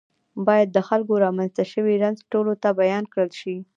باید د خلکو رامنځته شوی رنځ ټولو ته بیان کړل شي.